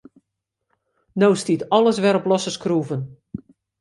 No stiet alles wer op losse skroeven.